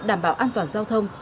đảm bảo an toàn giao thông